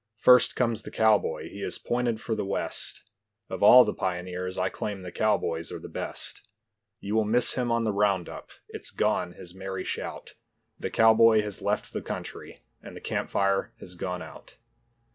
First comes the cowboy, he is pointed for the west; Of all the pioneers I claim the cowboys are the best; You will miss him on the round up, it's gone, his merry shout, The cowboy has left the country and the campfire has gone out.